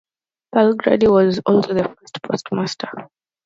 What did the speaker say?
Pearl Grady was also the first postmaster.